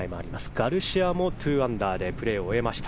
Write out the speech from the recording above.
ガルシアも２アンダーでプレーを終えました。